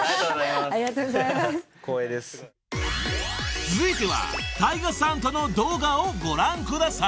［続いてはタイガさんとの動画をご覧ください］